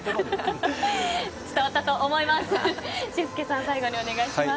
伝わったと思います。